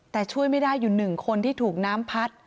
แต่ช่วยไม่ได้อยู่๑คนที่ถูกน้ำพัด